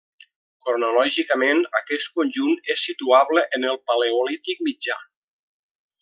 Cronològicament aquest conjunt és situable en el Paleolític mitjà.